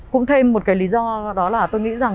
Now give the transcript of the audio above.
cũng thêm một cái lý do đó là tôi nghĩ rằng